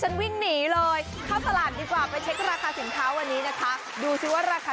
ฉันหวิ่งหนีเลยครับถลังดิกว่าไปเทคราคาเสียงนี้นะคะดูซึ่งว่าราคา